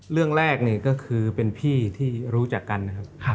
เรื่องแรกนี่ก็คือเป็นพี่ที่รู้จักกันนะครับ